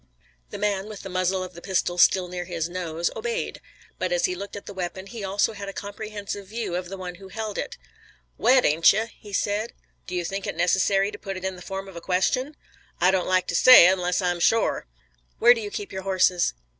The man with the muzzle of the pistol still near his nose, obeyed. But as he looked at the weapon he also had a comprehensive view of the one who held it. "Wet ain't you?" he said. "Do you think it necessary to put it in the form of a question?" "I don't like to say, unless I'm shore." "Where do you keep your horses?"